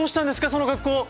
その格好！